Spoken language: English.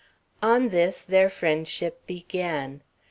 On this their friendship began.